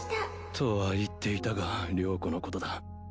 とは言っていたが了子のことだ気が抜けん